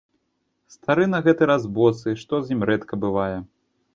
Стары на гэты раз босы, што з ім рэдка бывае.